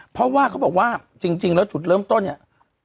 เพราะว่าเขาบอกว่าจริงแล้วจุดเริ่มต้นเนี่ย